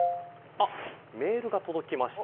メールが届きました。